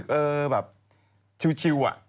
คนนึงคนนึงเนี่ยชิวอะ